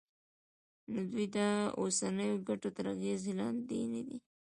نو دوی د اوسنیو ګټو تر اغېز لاندې ندي.